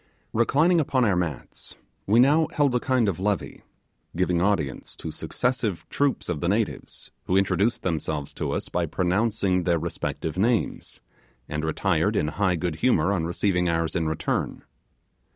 Reclining upon our mats, we now held a kind of levee, giving audience to successive troops of the natives, who introduced themselves to us by pronouncing their respective names, and retired in high good humour on receiving ours in return.